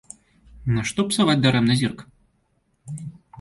Нашто псаваць дарэмна зірк?